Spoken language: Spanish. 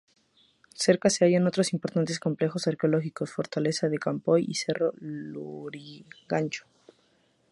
Cerca se hallan otros importantes complejos arqueológicos: Fortaleza de Campoy y Cerro Lurigancho.